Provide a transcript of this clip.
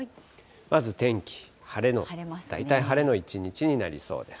まず天気、晴れの、大体晴れの一日になりそうです。